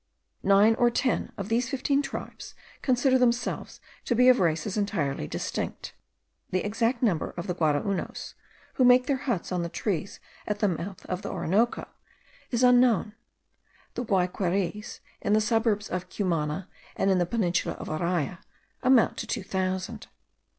Nine or ten of these fifteen tribes consider themselves to be of races entirely distinct. The exact number of the Guaraunos, who make their huts on the trees at the mouth of the Orinoco, is unknown; the Guayqueries, in the suburbs of Cumana and in the peninsula of Araya, amount to two thousand.